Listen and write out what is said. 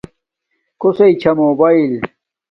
کوسݵ چھا موباݵل